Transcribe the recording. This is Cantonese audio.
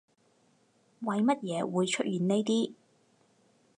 為乜嘢會出現呢啲